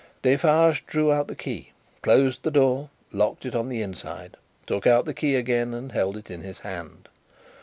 Defarge drew out the key, closed the door, locked it on the inside, took out the key again, and held it in his hand.